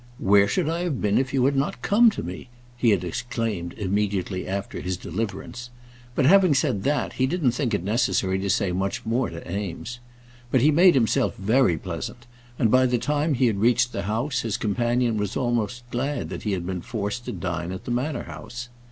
"Where should I have been if you had not come to me?" he had exclaimed immediately after his deliverance; but having said that he didn't think it necessary to say much more to Eames. But he made himself very pleasant, and by the time he had reached the house his companion was almost glad that he had been forced to dine at the Manor House.